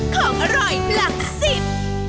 ของอร่อยหลักสิบ